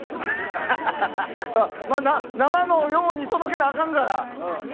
生のように届けなあかんから。